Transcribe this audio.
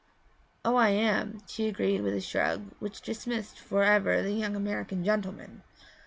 'Oh, I am,' she agreed with a shrug which dismissed for ever the young American gentleman.